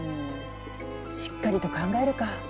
しっかりと考えるか。